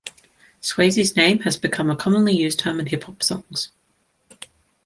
Swayze's name has become a commonly used term in hip hop songs.